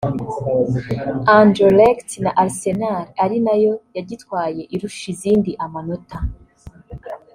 Anderlect na Arsenal ari nayo yagitwaye irusha izindi amanota